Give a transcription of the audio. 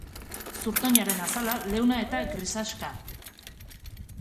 Zurtoinaren azala leuna eta grisaxka.